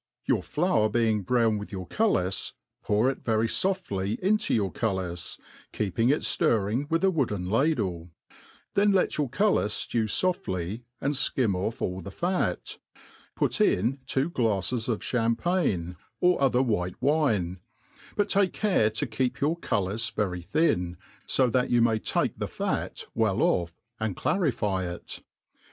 Your flour being orown with your cullis, pour it very Ibftly into your cullis, kf^ping it fiirring with a wooden ladle; then let your cullis flew fqft ly, and &im off all ^he fat, put in two gla^s of champaign, or other white wine ; hot take care to keep your cullis very thin, fa that y6a may take the fat well oflT, and clarify it.